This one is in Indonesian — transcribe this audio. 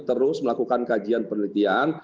terus melakukan kajian penelitian